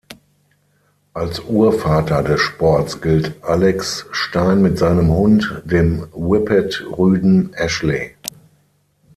Als Urvater des Sports gilt Alex Stein mit seinem Hund, dem Whippet-Rüden Ashley.